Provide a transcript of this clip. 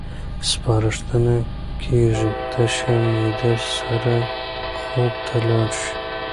سپارښتنه کېږي تشه معده سره خوب ته لاړ شئ.